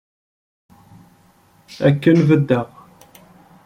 Akken beddeɣ.